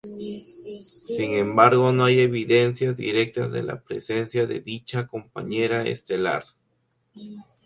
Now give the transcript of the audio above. Sin embargo no hay evidencias directas de la presencia de dicha compañera estelar.